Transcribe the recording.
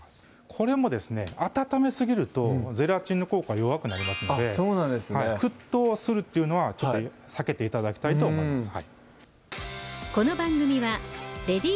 これもですね温めすぎるとゼラチンの効果弱くなりますのでそうなんですね沸騰するっていうのは避けて頂きたいと思います